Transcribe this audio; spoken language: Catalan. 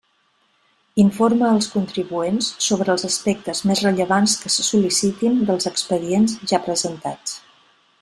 Informa els contribuents sobre els aspectes més rellevants que se sol·licitin dels expedients ja presentats.